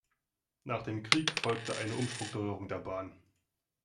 Nach dem Krieg folgte eine Umstrukturierung der Bahn.